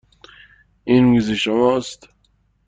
این میز شماست.